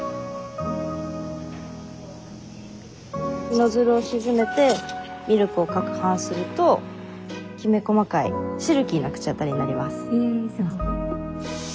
ノズルを沈めてミルクをかくはんするときめ細かいシルキーな口当たりになります。